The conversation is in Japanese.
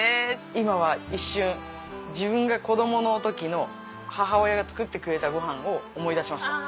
今は一瞬自分が子供の時の母親が作ってくれたご飯を思い出しました。